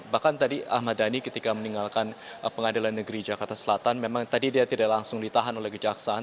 bahkan tadi ahmad dhani ketika meninggalkan pengadilan negeri jakarta selatan memang tadi dia tidak langsung ditahan oleh kejaksaan